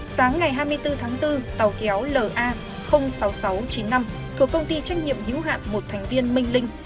sáng ngày hai mươi bốn tháng bốn tàu kéo la sáu nghìn sáu trăm chín mươi năm thuộc công ty trách nhiệm hữu hạm một thành viên minh linh